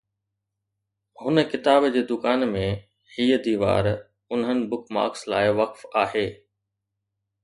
هن ڪتاب جي دڪان ۾، هي ديوار انهن بک مارڪس لاء وقف آهي